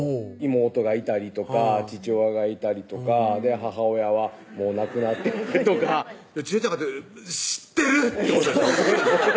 妹がいたりとか父親がいたりとか母親はもう亡くなってるとかちえちゃんかて「知ってる！」ってことでしょ？